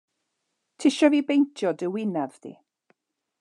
Tisio fi beintio dy winadd di?